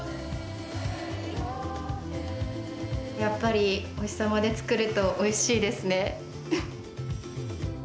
やっぱりお日様で作るとおいしいですね。